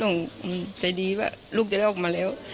หนูใจดีว่าลูกจะได้ออกมาแล้ว